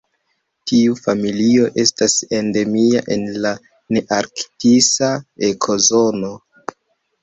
Tiu familio estas endemia en la nearktisa ekozono.